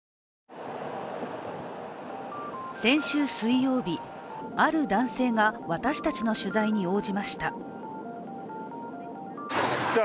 先週水曜日、ある男性が私たちの取材に応じました。